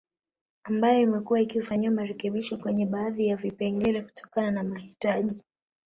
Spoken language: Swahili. Ambayo imekuwa ikifanyiwa marekebisho kwenye baadhi ya vipengele kutokana na mahitaji